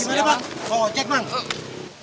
gimana pak mau ojek mang